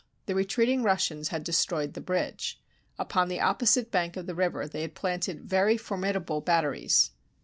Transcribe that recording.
The retreating Russians had destroyed the bridge. Upon the opposite bank of the river they had planted very formidable batteries.